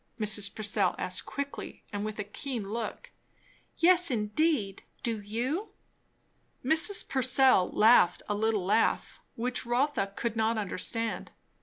Mrs. Purcell asked quickly and with a keen look. "Yes, indeed. Do you?" Mrs. Purcell laughed a little laugh, which Rotha could not understand.